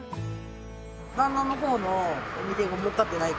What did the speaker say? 旦那の方のお店がもうかってないから。